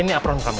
ini apron kamu